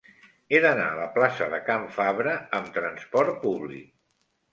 He d'anar a la plaça de Can Fabra amb trasport públic.